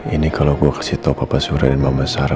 ini kalau gue kasih tau papa sura dan mama sarah